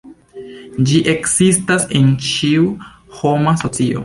Ĝi ekzistas en ĉiu homa socio.